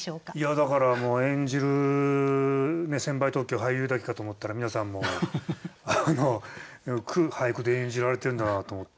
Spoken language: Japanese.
だから演じる専売特許俳優だけかと思ったら皆さんも句俳句で演じられてるんだと思って。